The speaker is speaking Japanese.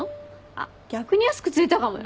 あっ逆に安くついたかもよ。